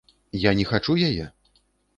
Я не хачу яе!